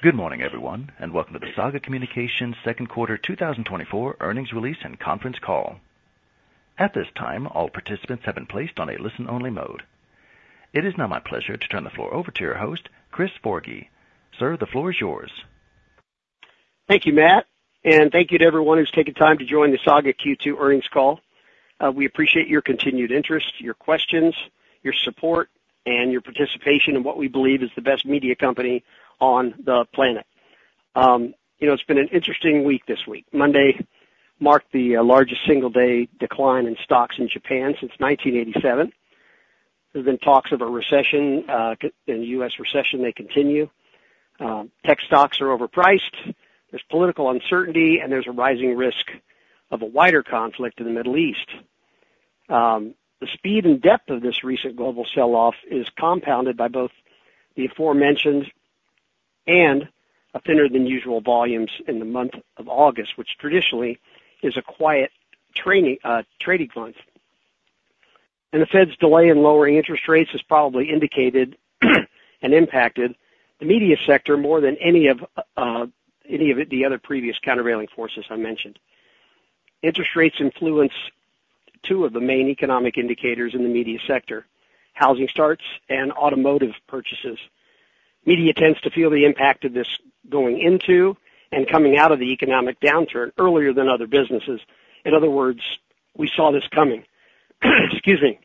Good morning, everyone, and welcome to the Saga Communications second quarter 2024 earnings release and conference call. At this time, all participants have been placed on a listen-only mode. It is now my pleasure to turn the floor over to your host, Chris Forgy. Sir, the floor is yours. Thank you, Matt, and thank you to everyone who's taking time to join the Saga Q2 earnings call. We appreciate your continued interest, your questions, your support, and your participation in what we believe is the best media company on the planet. You know, it's been an interesting week this week. Monday marked the largest single-day decline in stocks in Japan since 1987. There's been talks of a recession in the U.S. Recession talks continue. Tech stocks are overpriced, there's political uncertainty, and there's a rising risk of a wider conflict in the Middle East. The speed and depth of this recent global sell-off is compounded by both the aforementioned and a thinner than usual volumes in the month of August, which traditionally is a quiet trading month. And the Fed's delay in lowering interest rates has probably indicated and impacted the media sector more than any of, any of it, the other previous countervailing forces I mentioned. Interest rates influence two of the main economic indicators in the media sector: housing starts and automotive purchases. Media tends to feel the impact of this going into and coming out of the economic downturn earlier than other businesses. In other words, we saw this coming. Excuse me.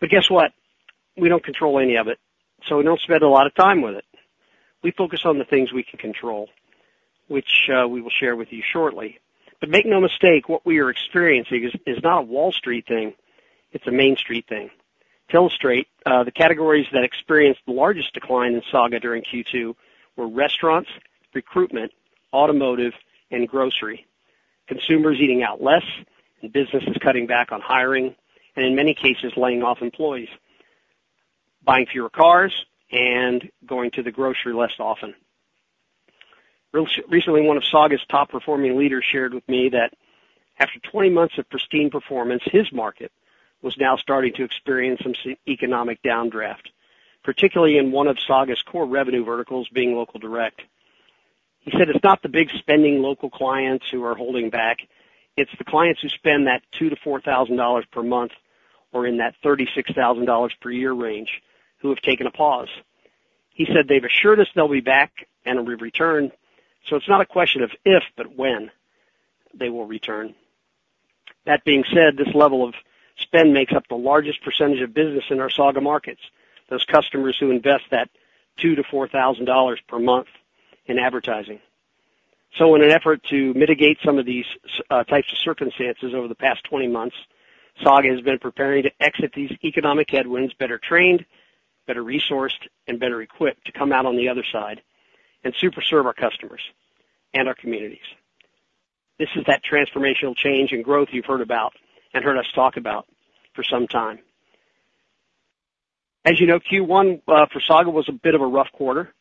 But guess what? We don't control any of it, so we don't spend a lot of time with it. We focus on the things we can control, which, we will share with you shortly. But make no mistake, what we are experiencing is, is not a Wall Street thing, it's a Main Street thing. To illustrate, the categories that experienced the largest decline in Saga during Q2 were restaurants, recruitment, automotive, and grocery. Consumers eating out less and businesses cutting back on hiring, and in many cases, laying off employees, buying fewer cars and going to the grocery less often. Recently, one of Saga's top-performing leaders shared with me that after 20 months of pristine performance, his market was now starting to experience some economic downdraft, particularly in one of Saga's core revenue verticals, being Local Direct. He said, "It's not the big-spending local clients who are holding back. It's the clients who spend that $2,000-$4,000 per month or in that $36,000 per year range, who have taken a pause." He said, "They've assured us they'll be back and will return, so it's not a question of if, but when they will return." That being said, this level of spend makes up the largest percentage of business in our Saga markets, those customers who invest that $2,000-$4,000 per month in advertising. So in an effort to mitigate some of these types of circumstances over the past 20 months, Saga has been preparing to exit these economic headwinds, better trained, better resourced, and better equipped to come out on the other side and super serve our customers and our communities. This is that transformational change and growth you've heard about and heard us talk about for some time. As you know, Q1 for Saga was a bit of a rough quarter.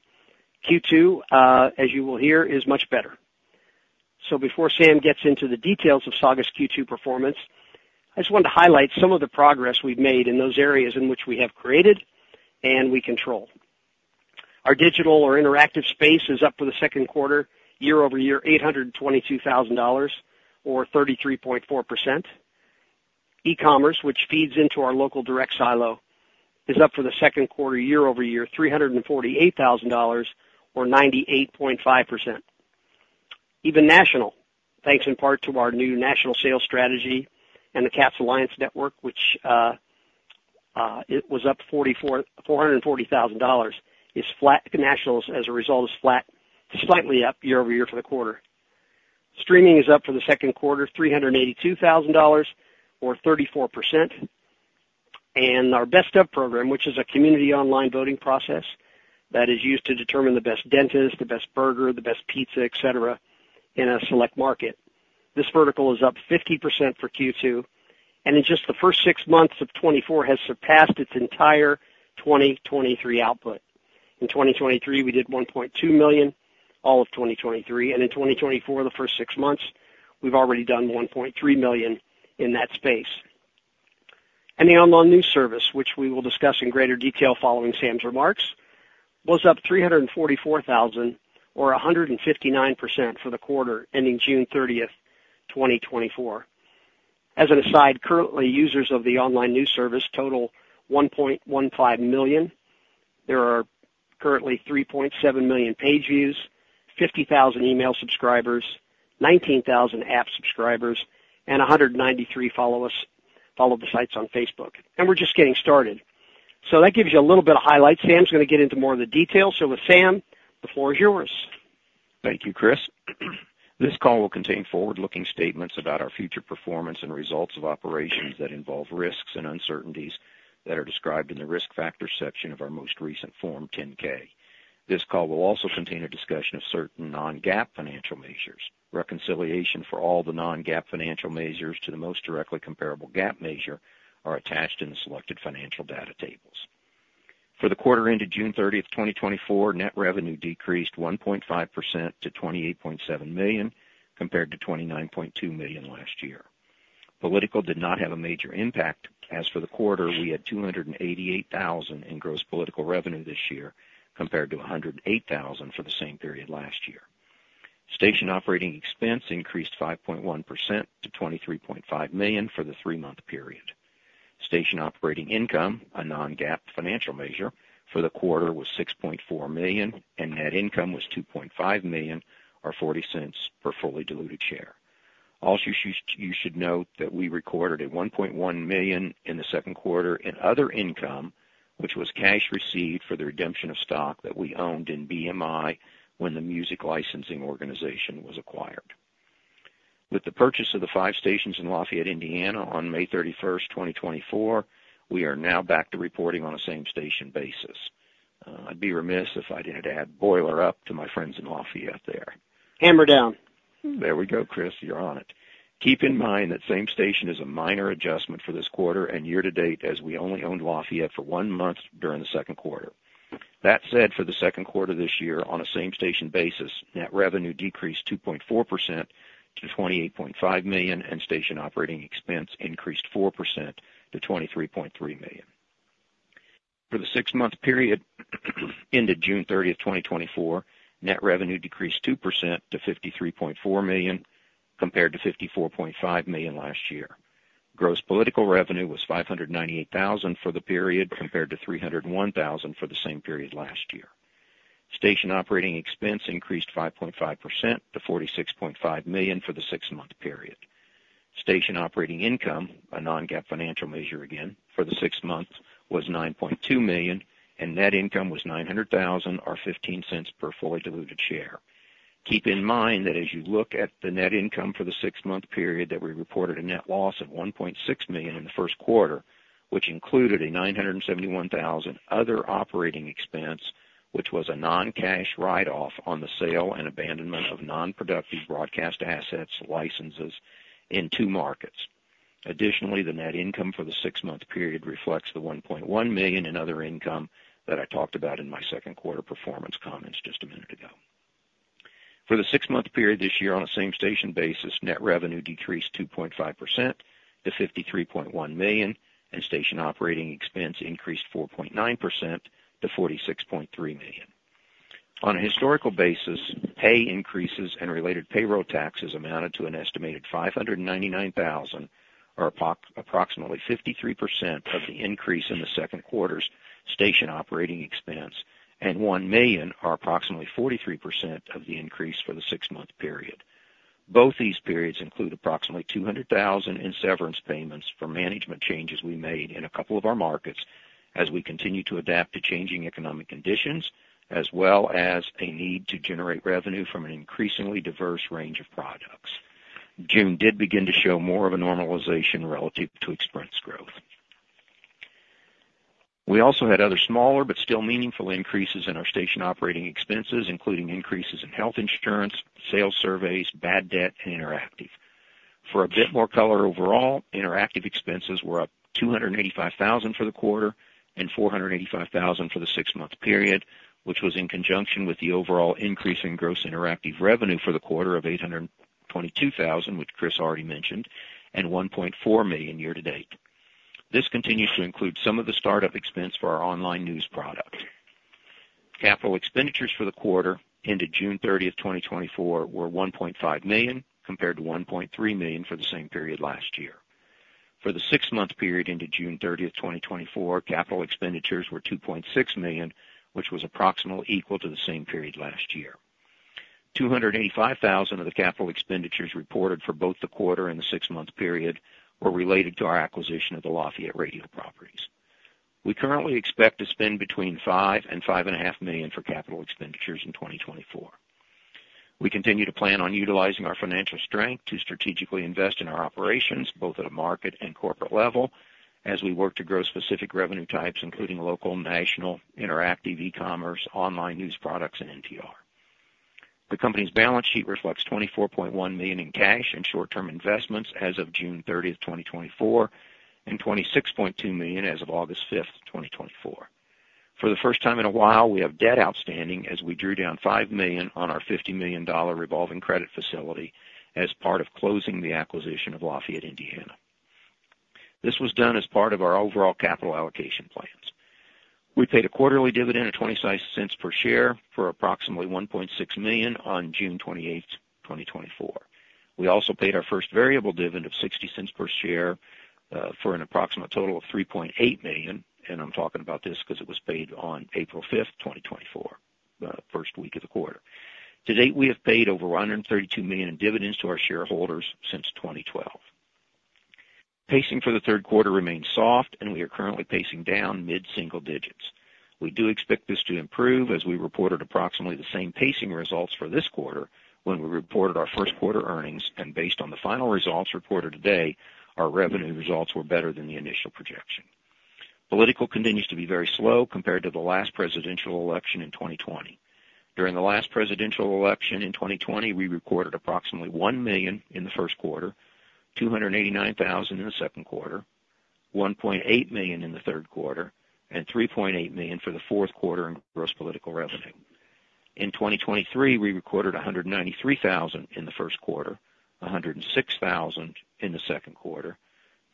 Q2, as you will hear, is much better. So before Sam gets into the details of Saga's Q2 performance, I just wanted to highlight some of the progress we've made in those areas in which we have created and we control. Our digital or interactive space is up for the second quarter, year-over-year, $822,000, or 33.4%. E-commerce, which feeds into our Local Direct silo, is up for the second quarter, year-over-year, $348,000, or 98.5%. Even national, thanks in part to our new national sales strategy and the Katz Alliance network, which it was up $440,000, is flat national, as a result, is flat—slightly up year-over-year for the quarter. Streaming is up for the second quarter, $382,000 or 34%. And our Best Of program, which is a community online voting process that is used to determine the best dentist, the best burger, the best pizza, et cetera, in a select market. This vertical is up 50% for Q2, and in just the first six months of 2024, has surpassed its entire 2023 output. In 2023, we did $1.2 million, all of 2023, and in 2024, the first six months, we've already done $1.3 million in that space. The online news service, which we will discuss in greater detail following Sam's remarks, was up $344,000 or 159% for the quarter, ending June 30, 2024. As an aside, currently, users of the online news service total 1.15 million. There are currently 3.7 million page views, 50,000 email subscribers, 19,000 app subscribers, and 193,000 follow the sites on Facebook, and we're just getting started. That gives you a little bit of highlight. Sam's gonna get into more of the details. With Sam, the floor is yours. Thank you, Chris. This call will contain forward-looking statements about our future performance and results of operations that involve risks and uncertainties that are described in the Risk Factors section of our most recent Form 10-K. This call will also contain a discussion of certain non-GAAP financial measures. Reconciliation for all the non-GAAP financial measures to the most directly comparable GAAP measure are attached in the selected financial data tables. For the quarter ended June 30, 2024, net revenue decreased 1.5% to $28.7 million, compared to $29.2 million last year. Political did not have a major impact. As for the quarter, we had $288,000 in gross political revenue this year, compared to $108,000 for the same period last year. Station operating expense increased 5.1% to $23.5 million for the three-month period. Station Operating Income, a non-GAAP financial measure for the quarter, was $6.4 million, and net income was $2.5 million, or $0.40 per fully diluted share. Also, you should, you should note that we recorded a $1.1 million in the second quarter in other income, which was cash received for the redemption of stock that we owned in BMI when the music licensing organization was acquired. With the purchase of the 5 stations in Lafayette, Indiana, on May 31st, 2024, we are now back to reporting on a same-station basis. I'd be remiss if I didn't add Boiler Up to my friends in Lafayette there. Hammer Down. There we go, Chris, you're on it. Keep in mind that same-station is a minor adjustment for this quarter and year to date, as we only owned Lafayette for one month during the second quarter. That said, for the second quarter this year, on a same-station basis, net revenue decreased 2.4% to $28.5 million, and station operating expense increased 4% to $23.3 million. For the six-month period ended June 30, 2024, net revenue decreased 2% to $53.4 million, compared to $54.5 million last year. Gross political revenue was $598,000 for the period, compared to $301,000 for the same period last year. Station operating expense increased 5.5% to $46.5 million for the six-month period. Station Operating Income, a non-GAAP financial measure again, for the six months, was $9.2 million, and net income was $900,000 or $0.15 per fully diluted share. Keep in mind that as you look at the net income for the six-month period, that we reported a net loss of $1.6 million in the first quarter, which included a $971,000 other operating expense, which was a non-cash write-off on the sale and abandonment of non-productive broadcast assets licenses in two markets. Additionally, the net income for the six-month period reflects the $1.1 million in other income that I talked about in my second quarter performance comments just a minute ago. For the six-month period this year, on a same-station basis, net revenue decreased 2.5% to $53.1 million, and station operating expense increased 4.9% to $46.3 million. On a historical basis, pay increases and related payroll taxes amounted to an estimated $599,000, or approximately 53% of the increase in the second quarter's station operating expense and $1 million, or approximately 43% of the increase for the six-month period. Both these periods include approximately $200,000 in severance payments for management changes we made in a couple of our markets as we continue to adapt to changing economic conditions, as well as a need to generate revenue from an increasingly diverse range of products. June did begin to show more of a normalization relative to expense growth. We also had other smaller but still meaningful increases in our station operating expenses, including increases in health insurance, sales surveys, bad debt, and interactive. For a bit more color, overall, interactive expenses were up $285,000 for the quarter and $485,000 for the six-month period, which was in conjunction with the overall increase in gross interactive revenue for the quarter of $822,000, which Chris already mentioned, and $1.4 million year to date. This continues to include some of the start-up expense for our online news product. Capital expenditures for the quarter ended June 30th, 2024, were $1.5 million, compared to $1.3 million for the same period last year. For the six-month period ended June 30, 2024, capital expenditures were $2.6 million, which was approximately equal to the same period last year. $285,000 of the capital expenditures reported for both the quarter and the six-month period were related to our acquisition of the Lafayette Radio properties. We currently expect to spend between $5 million and $5.5 million for capital expenditures in 2024. We continue to plan on utilizing our financial strength to strategically invest in our operations, both at a market and corporate level, as we work to grow specific revenue types, including local, national, interactive, e-commerce, online news products, and NTR. The company's balance sheet reflects $24.1 million in cash and short-term investments as of June 30, 2024, and $26.2 million as of August 5, 2024. For the first time in a while, we have debt outstanding as we drew down $5 million on our $50 million revolving credit facility as part of closing the acquisition of Lafayette, Indiana. This was done as part of our overall capital allocation plans. We paid a quarterly dividend of $0.26 per share for approximately $1.6 million on June 28, 2024. We also paid our first variable dividend of $0.60 per share, for an approximate total of $3.8 million, and I'm talking about this because it was paid on April 5, 2024, the first week of the quarter. To date, we have paid over $132 million in dividends to our shareholders since 2012. Pacing for the third quarter remains soft, and we are currently pacing down mid-single digits. We do expect this to improve, as we reported approximately the same pacing results for this quarter when we reported our first quarter earnings, and based on the final results reported today, our revenue results were better than the initial projection. Political continues to be very slow compared to the last presidential election in 2020. During the last presidential election in 2020, we recorded approximately $1 million in the first quarter, $289,000 in the second quarter, $1.8 million in the third quarter, and $3.8 million for the fourth quarter in gross political revenue in 2023, we recorded $193,000 in the first quarter, $106,000 in the second quarter,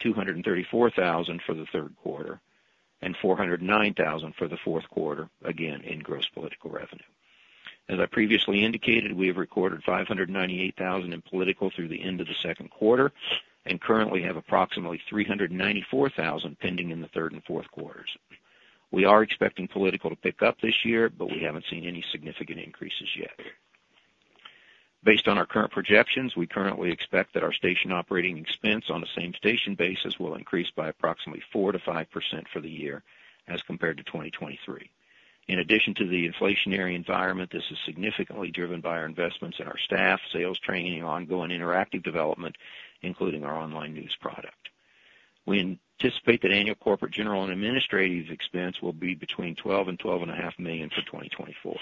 $234,000 for the third quarter, and $409,000 for the fourth quarter, again, in gross political revenue. As I previously indicated, we have recorded $598,000 in political through the end of the second quarter and currently have approximately $394,000 pending in the third and fourth quarters. We are expecting political to pick up this year, but we haven't seen any significant increases yet. Based on our current projections, we currently expect that our station operating expense on the same station basis will increase by approximately 4%-5% for the year as compared to 2023. In addition to the inflationary environment, this is significantly driven by our investments in our staff, sales training, ongoing interactive development, including our online news product. We anticipate that annual corporate, general and administrative expense will be between $12 million and $12.5 million for 2024.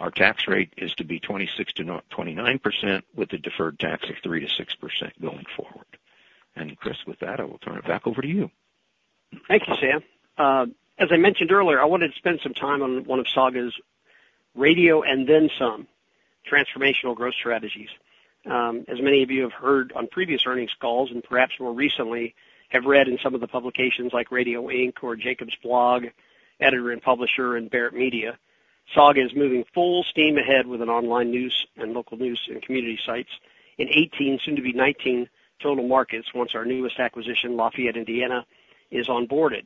Our tax rate is to be 26%-29%, with a deferred tax of 3%-6% going forward. And Chris, with that, I will turn it back over to you. Thank you, Sam. As I mentioned earlier, I wanted to spend some time on one of Saga's radio and then some transformational growth strategies. As many of you have heard on previous earnings calls and perhaps more recently have read in some of the publications like Radio Ink or Jacobs Media, Editor & Publisher and Barrett Media. Saga is moving full steam ahead with an online news and local news and community sites in 18, soon to be 19 total markets once our newest acquisition, Lafayette, Indiana, is onboarded.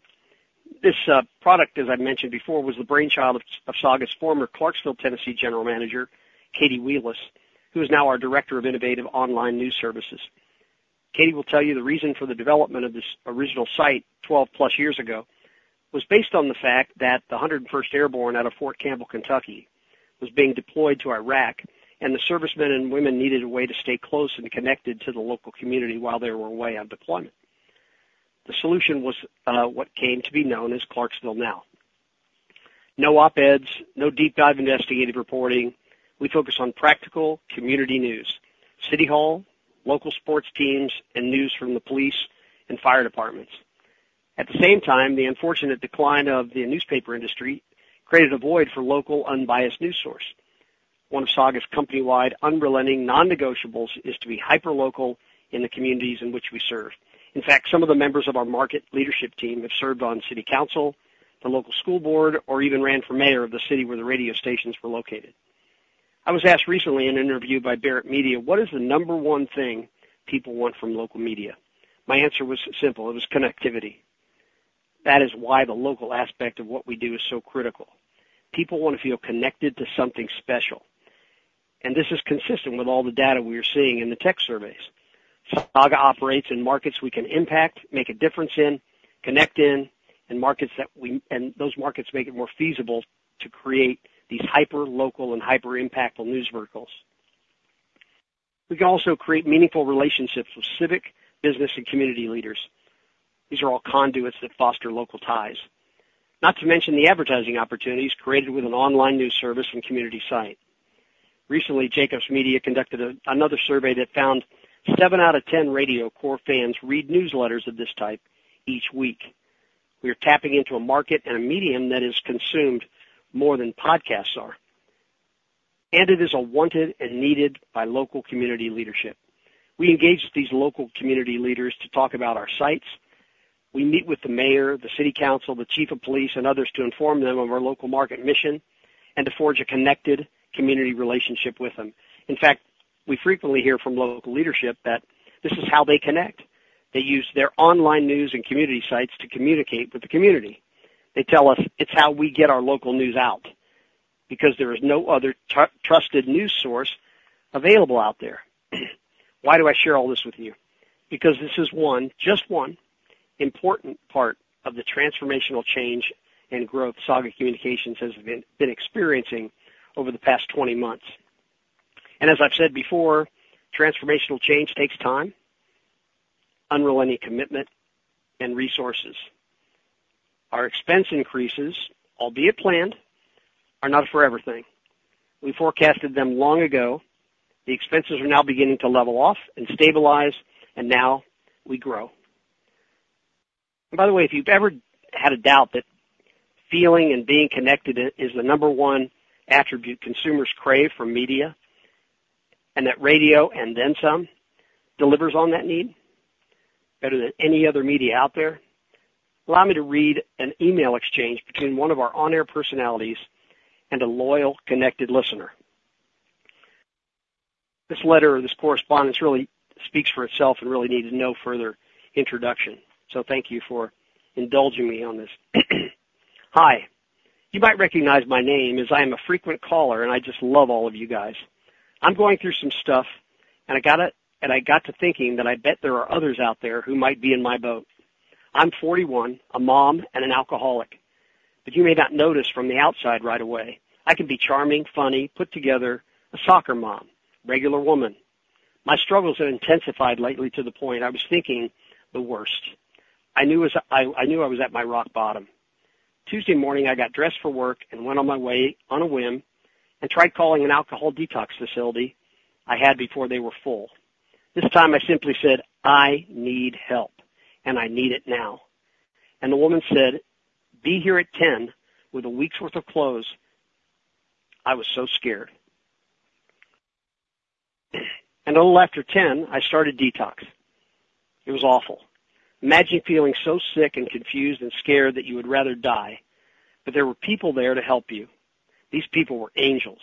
This product, as I've mentioned before, was the brainchild of Saga's former Clarksville, Tennessee, general manager, Katie Gambill, who is now our Director of Innovative Online News Services. Katie will tell you the reason for the development of this original site 12+ years ago was based on the fact that the 101st Airborne out of Fort Campbell, Kentucky, was being deployed to Iraq, and the servicemen and women needed a way to stay close and connected to the local community while they were away on deployment. The solution was what came to be known as Clarksville Now. No op-eds, no deep dive investigative reporting. We focus on practical community news, city hall, local sports teams, and news from the police and fire departments. At the same time, the unfortunate decline of the newspaper industry created a void for local, unbiased news source. One of Saga's company-wide, unrelenting, non-negotiables is to be hyper local in the communities in which we serve. In fact, some of the members of our market leadership team have served on city council, the local school board, or even ran for mayor of the city where the radio stations were located. I was asked recently in an interview by Barrett Media: What is the number one thing people want from local media? My answer was simple: It was connectivity. That is why the local aspect of what we do is so critical. People want to feel connected to something special, and this is consistent with all the data we are seeing in the Techsurveys. Saga operates in markets we can impact, make a difference in, connect in, and markets that we and those markets make it more feasible to create these hyper local and hyper impactful news verticals. We can also create meaningful relationships with civic, business, and community leaders. These are all conduits that foster local ties. Not to mention the advertising opportunities created with an online news service and community site. Recently, Jacobs Media conducted another survey that found seven out of ten radio core fans read newsletters of this type each week. We are tapping into a market and a medium that is consumed more than podcasts are, and it is a wanted and needed by local community leadership. We engage with these local community leaders to talk about our sites. We meet with the mayor, the city council, the chief of police, and others to inform them of our local market mission and to forge a connected community relationship with them. In fact, we frequently hear from local leadership that this is how they connect. They use their online news and community sites to communicate with the community. They tell us it's how we get our local news out, because there is no other trusted news source available out there. Why do I share all this with you? Because this is one, just one important part of the transformational change and growth Saga Communications has been, been experiencing over the past 20 months. As I've said before, transformational change takes time, unrelenting commitment and resources. Our expense increases, albeit planned, are not a forever thing. We forecasted them long ago. The expenses are now beginning to level off and stabilize, and now we grow. By the way, if you've ever had a doubt that feeling and being connected is the number one attribute consumers crave from media, and that radio and then some, delivers on that need better than any other media out there, allow me to read an email exchange between one of our on-air personalities and a loyal, connected listener. This letter or this correspondence really speaks for itself and really needs no further introduction. So thank you for indulging me on this. "Hi. You might recognize my name, as I am a frequent caller, and I just love all of you guys. I'm going through some stuff, and I gotta and I got to thinking that I bet there are others out there who might be in my boat. I'm 41, a mom, and an alcoholic. But you may not notice from the outside right away. I can be charming, funny, put together, a soccer mom, regular woman. My struggles have intensified lately to the point I was thinking the worst. I knew I was at my rock bottom. Tuesday morning, I got dressed for work and went on my way on a whim and tried calling an alcohol detox facility I had before they were full. This time, I simply said, "I need help, and I need it now." And the woman said, "Be here at 10 with a week's worth of clothes." I was so scared. And a little after 10, I started detox. It was awful. Imagine feeling so sick and confused and scared that you would rather die, but there were people there to help you. These people were angels.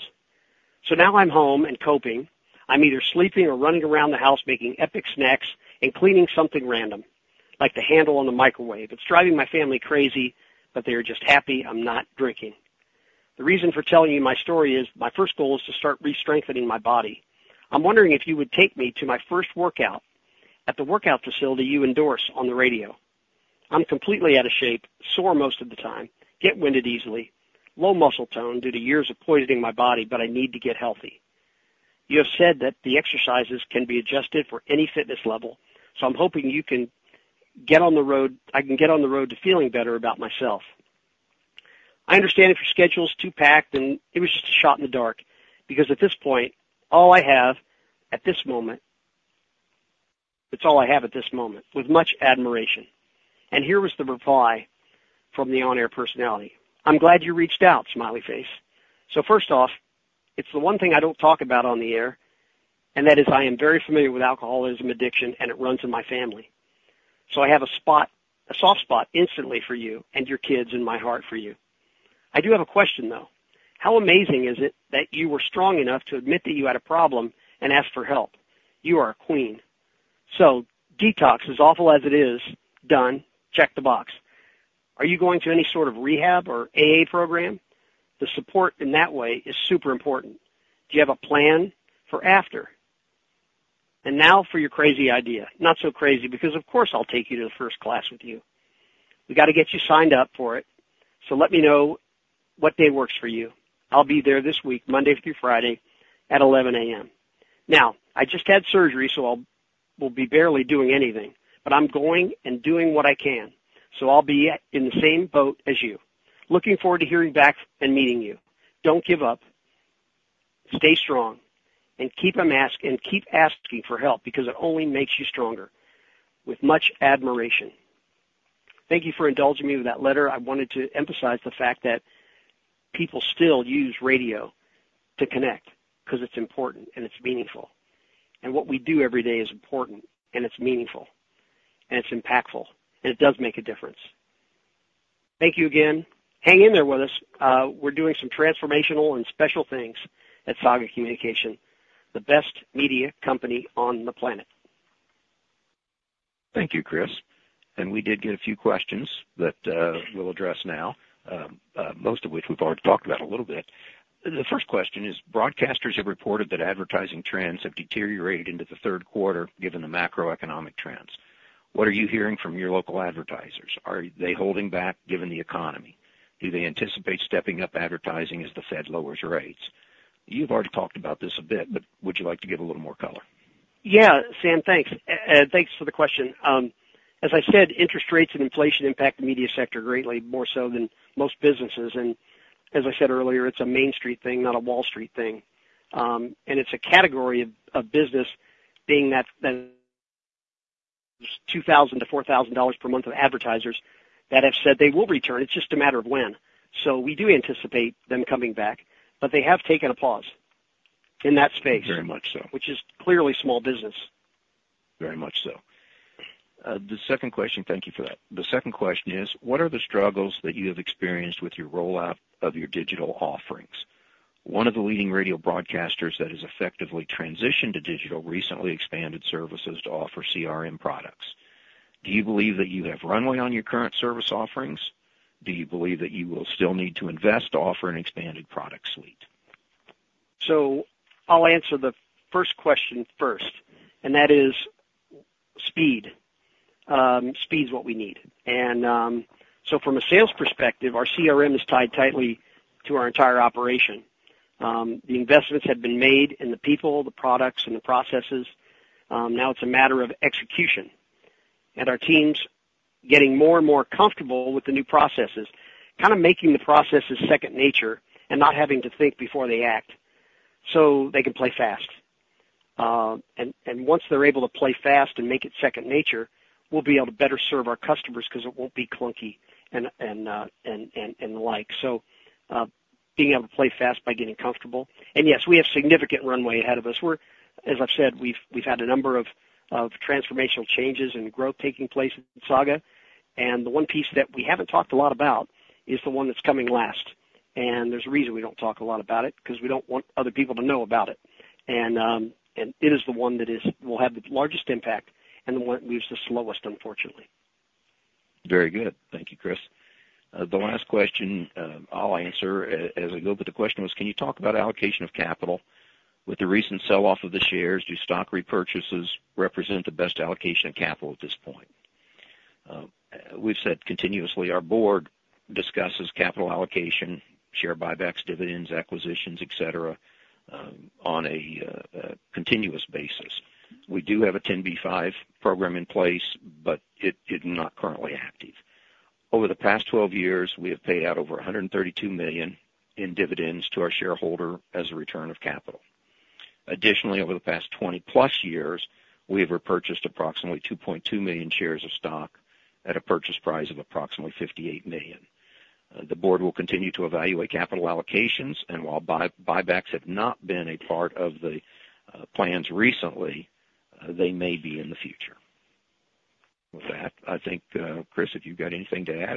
So now I'm home and coping. I'm either sleeping or running around the house making epic snacks and cleaning something random, like the handle on the microwave. It's driving my family crazy, but they are just happy I'm not drinking. The reason for telling you my story is my first goal is to start re-strengthening my body. I'm wondering if you would take me to my first workout at the workout facility you endorse on the radio. I'm completely out of shape, sore most of the time, get winded easily, low muscle tone due to years of poisoning my body, but I need to get healthy. You have said that the exercises can be adjusted for any fitness level, so I'm hoping you can get on the road. I can get on the road to feeling better about myself. I understand if your schedule is too packed, and it was just a shot in the dark, because at this point, all I have at this moment. It's all I have at this moment. With much admiration. Here was the reply from the on-air personality: I'm glad you reached out. Smiley face. First off, it's the one thing I don't talk about on the air, and that is I am very familiar with alcoholism addiction, and it runs in my family. So I have a spot, a soft spot instantly for you and your kids in my heart for you. I do have a question, though. How amazing is it that you were strong enough to admit that you had a problem and ask for help? You are a queen. So detox, as awful as it is, done. Check the box. Are you going to any sort of rehab or AA program? The support in that way is super important. Do you have a plan for after? Now for your crazy idea. Not so crazy, because, of course, I'll take you to the first class with you. We got to get you signed up for it, so let me know what day works for you. I'll be there this week, Monday through Friday at 11:00 A.M. Now, I just had surgery, so I will be barely doing anything, but I'm going and doing what I can, so I'll be in the same boat as you. Looking forward to hearing back and meeting you. Don't give up. Stay strong and keep asking for help, because it only makes you stronger. With much admiration. Thank you for indulging me with that letter. I wanted to emphasize the fact that people still use radio to connect, because it's important and it's meaningful, and what we do every day is important, and it's meaningful, and it's impactful, and it does make a difference. Thank you again. Hang in there with us. We're doing some transformational and special things at Saga Communications, the best media company on the planet. Thank you, Chris. We did get a few questions that we'll address now, most of which we've already talked about a little bit. The first question is, broadcasters have reported that advertising trends have deteriorated into the third quarter, given the macroeconomic trends. What are you hearing from your local advertisers? Are they holding back given the economy? Do they anticipate stepping up advertising as the Fed lowers rates? You've already talked about this a bit, but would you like to give a little more color? Yeah, Sam, thanks. Thanks for the question. As I said, interest rates and inflation impact the media sector greatly, more so than most businesses, and as I said earlier, it's a Main Street thing, not a Wall Street thing. And it's a category of business being that, than $2,000-$4,000 per month of advertisers that have said they will return, it's just a matter of when. So we do anticipate them coming back, but they have taken a pause in that space. Very much so. Which is clearly small business. Very much so. The second question. Thank you for that. The second question is: What are the struggles that you have experienced with your rollout of your digital offerings? One of the leading radio broadcasters that has effectively transitioned to digital recently expanded services to offer CRM products. Do you believe that you have runway on your current service offerings? Do you believe that you will still need to invest to offer an expanded product suite? So I'll answer the first question first, and that is speed. Speed is what we need. And, so from a sales perspective, our CRM is tied tightly to our entire operation. The investments have been made in the people, the products, and the processes. Now it's a matter of execution, and our team's getting more and more comfortable with the new processes, kind of making the processes second nature and not having to think before they act, so they can play fast. And once they're able to play fast and make it second nature, we'll be able to better serve our customers because it won't be clunky and the like. So, being able to play fast by getting comfortable, and yes, we have significant runway ahead of us. As I've said, we've had a number of transformational changes and growth taking place in Saga, and the one piece that we haven't talked a lot about is the one that's coming last. And there's a reason we don't talk a lot about it, because we don't want other people to know about it. And it is the one that will have the largest impact and the one that moves the slowest, unfortunately. Very good. Thank you, Chris. The last question, I'll answer as I go, but the question was: Can you talk about allocation of capital? With the recent sell-off of the shares, do stock repurchases represent the best allocation of capital at this point? We've said continuously, our board discusses capital allocation, share buybacks, dividends, acquisitions, et cetera, on a continuous basis. We do have a 10b-5 program in place, but it is not currently active. Over the past 12 years, we have paid out over $132 million in dividends to our shareholder as a return of capital. Additionally, over the past 20+ years, we have repurchased approximately 2.2 million shares of stock at a purchase price of approximately $58 million. The board will continue to evaluate capital allocations, and while buybacks have not been a part of the plans recently, they may be in the future. With that, I think, Chris, if you've got anything to add?